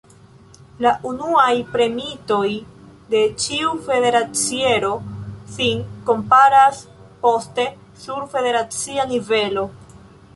La unuaj premiitoj de ĉiu federaciero sin komparas poste sur federacia nivelo.